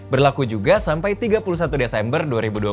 berlaku juga sampai tiga puluh satu desember dua ribu dua puluh